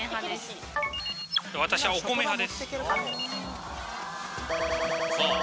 私はお米派です。